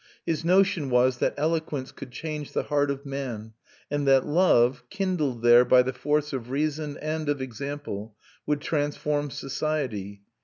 His notion was that eloquence could change the heart of man, and that love, kindled there by the force of reason and of example, would transform society.